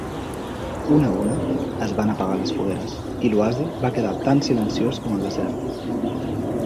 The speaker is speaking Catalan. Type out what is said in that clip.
Una a una, es van apagar les fogueres i l'oasi va quedar tan silenciós com el desert.